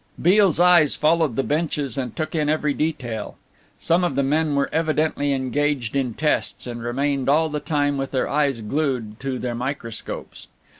Beale's eyes followed the benches and took in every detail. Some of the men were evidently engaged in tests, and remained all the time with their eyes glued to their microscopes.